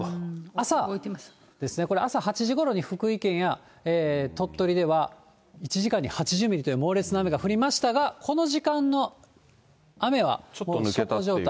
朝ですね、これ朝８時ごろに福井県や鳥取では１時間に８０ミリという猛烈な雨が降りましたが、この時間の雨は小康状態。